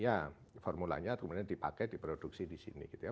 ya formulanya kemudian dipakai diproduksi di sini gitu ya